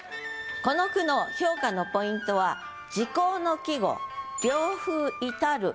この句の評価のポイントは時候の季語「涼風至る」